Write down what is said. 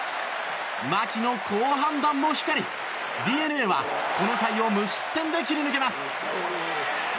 牧の好判断も光りＤｅＮＡはこの回を無失点で切り抜けます。